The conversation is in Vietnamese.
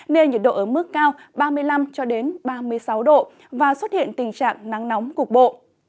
nên nhiệt độ ở mức cao ba mươi năm ba mươi sáu độ và xuất hiện tình trạng nắng nóng cục bộ